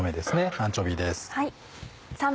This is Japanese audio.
アンチョビーです。